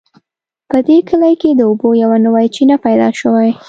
په دې کلي کې د اوبو یوه نوې چینه پیدا شوې